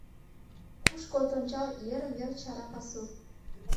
Кушко от ончал, йырым-йыр чара пасу.